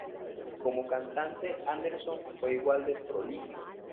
Como cantante, Anderson fue igual de prolífico.